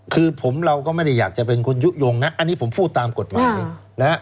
คือผมเราก็ไม่ได้อยากจะเป็นคนยุโยงนะอันนี้ผมพูดตามกฎหมายนะฮะ